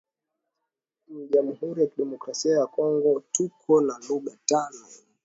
Mu jamhuri ya kidemocrasia ya kongo tuko na luga tano